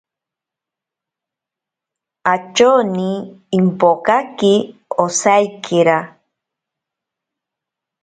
Atyoni impokaki osaikera.